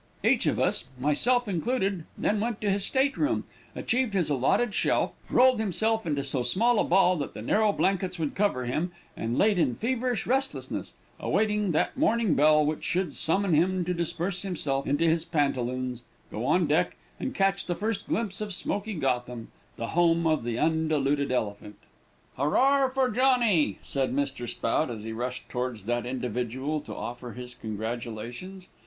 Each of us, myself included, then went to his state room, achieved his allotted shelf, rolled himself into so small a ball that the narrow blankets would cover him, and laid in feverish restlessness, awaiting that morning bell which should summon him to disperse himself into his pantaloons, go on deck, and catch the first glimpse of smoky Gotham, the home of the undiluted elephant. "Hooror for Johnny," said Mr. Spout, as he rushed towards that individual to offer his congratulations.